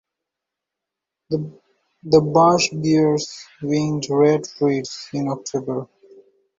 The bush bears winged red fruits in October.